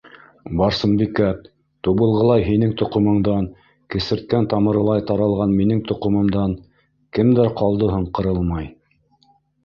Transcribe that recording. Барсынбикә... тубылғылай һинең тоҡомоңдан, кесерткән тамырылай таралған минең тоҡомомдан... кемдәр ҡалды һуң ҡырылмай?!